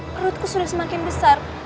perutku sudah semakin besar